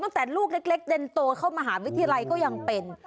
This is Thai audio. พวกเล็กเดินโตเข้ามาหาวิทยาลัยก็ยังเป็น